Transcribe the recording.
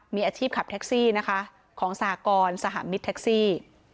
มีอาชีพขับแท็กซี่นะคะของสหกรสหมิตรแท็กซี่